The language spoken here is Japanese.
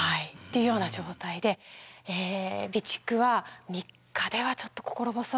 いうような状態で備蓄は３日ではちょっと心細い。